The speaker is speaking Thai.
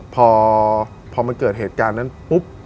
พอมันเกิดเหตุการณ์นั้นปุ๊บ